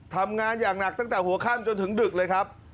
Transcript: ทำงานอย่างหนักตั้งแต่หัวค่ำจนถึงดึกเลยครับ